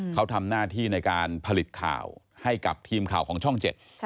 เขาทำหน้าที่ในการผลิตข่าวให้กับทีมข่าวของช่องเจ็ด